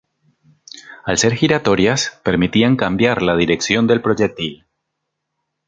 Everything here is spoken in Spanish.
Al ser giratorias, permitían cambiar la dirección del proyectil.